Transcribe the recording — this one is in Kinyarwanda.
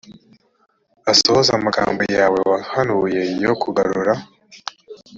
asohoze amagambo yawe wahanuye yo kugarura